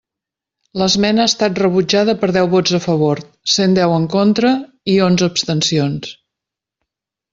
L'esmena ha estat rebutjada per deu vots a favor, cent deu en contra i onze abstencions.